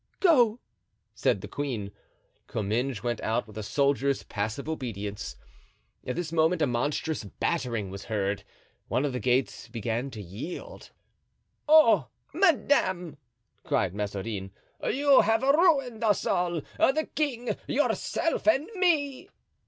"Go!" said the queen. Comminges went out with a soldier's passive obedience. At this moment a monstrous battering was heard. One of the gates began to yield. "Oh! madame," cried Mazarin, "you have ruined us all—the king, yourself and me."